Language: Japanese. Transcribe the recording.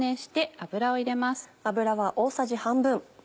油は大さじ半分。